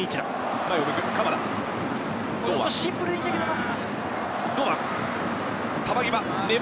シンプルでいいんだけどな。